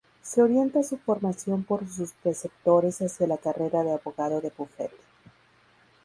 Se orienta su formación por sus preceptores hacia la carrera de abogado de bufete.